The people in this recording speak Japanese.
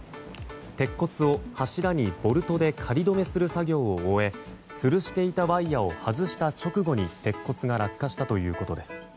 鉄骨を柱にボルトで仮どめする作業を終えつるしていたワイヤを外した直後に鉄骨が落下したということです。